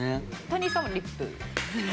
谷さんもリップ？